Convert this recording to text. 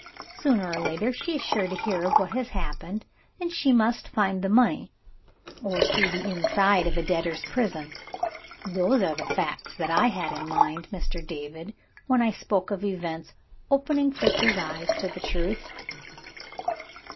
Sooner or later, she is sure to hear of what has happened and she must find the money, or see the inside of a debtor's prison. Those are the facts that I had in my mind, Mr. David, when I spoke of events opening Fritz's eyes to the truth."